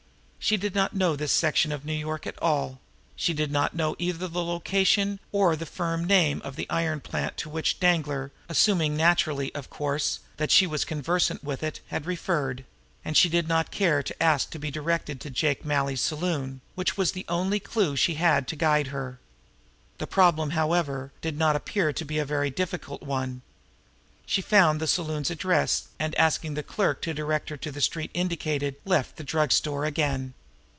She did not know this section of New York at all; she did not know either the location or the firm name of the iron plant to which Danglar, assuming naturally, of course, that she was conversant with it, had referred; and she did not care to ask to be directed to Jake Malley's saloon, which was the only clew she had to guide her. The problem, however, did not appear to be a very difficult one. She found the saloon's address, and, asking the clerk to direct her to the street indicated, left the drug store again.